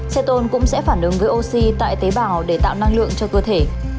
cetone cũng sẽ phản ứng với oxy tại tế bào để tạo năng lượng cho cơ thể